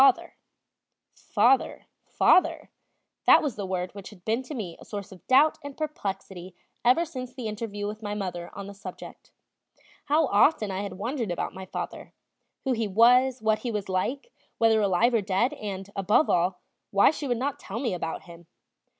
"Father, father," that was the word which had been to me a source of doubt and perplexity ever since the interview with my mother on the subject. How often I had wondered about my father, who he was, what he was like, whether alive or dead, and, above all, why she would not tell me about him.